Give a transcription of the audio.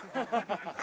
ハハハ。